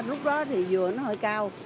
lúc đó thì vừa nó hơi cao